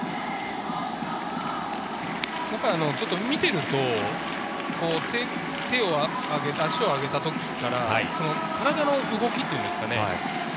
見ていると、手を上げ、足を上げたときから、体の動きというんですかね。